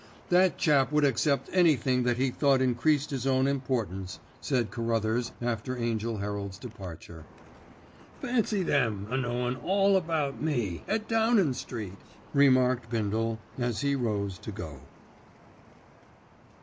"That chap would accept anything that he thought increased his own importance," said Carruthers after Angell Herald's departure. "Fancy them a knowin' all about me at Downin' Street," remarked Bindle as he rose to go.